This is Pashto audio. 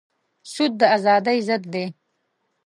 سود د ازادۍ ضد دی.